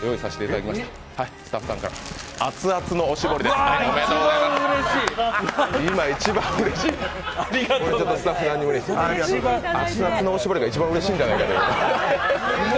熱々のおしぼりが一番うれしいんじゃないかと。